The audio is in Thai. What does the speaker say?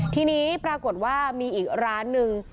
ทีนี้ปรากฏว่ามีอีกร้านนึง